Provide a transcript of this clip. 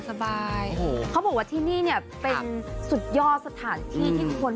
สบายเขาบอกว่าที่นี่เนี่ยเป็นสุดยอดสถานที่ที่คน